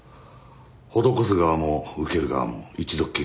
施す側も受ける側も一度っきりだ。